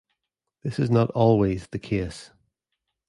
This is not "always" the case.